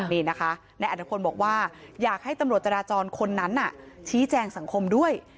นี่นะคะนายอัตภพลบอกว่าอยากให้ตำรวจจราจรคนนั้นชี้แจงสังคมด้วย